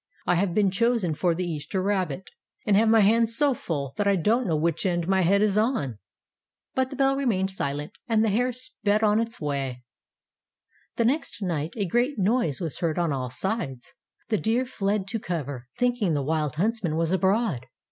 "I have been chosen for the Easter rabbit, and have my hands so full that I don't know which end my head is on." But the bell remained silent, and the hare sped on its way. Tales of Modern Germany 117 The next night a great noise was heard on all sides. The deer fled to cover, think ing the Wild Huntsman was abroad.